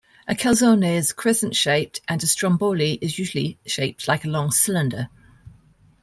A calzone is crescent-shaped, and a stromboli is usually shaped like a long cylinder.